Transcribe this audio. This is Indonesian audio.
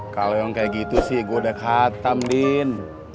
kalau yang kayak gitu sih gua udah katam din